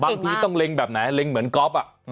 บางทีต้องเล็งแบบไหนเล็งเหมือนก๊อฟ